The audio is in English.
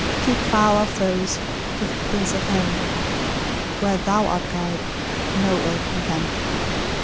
Keep far our foes; give peace at home; Where Thou art Guide, no ill can come."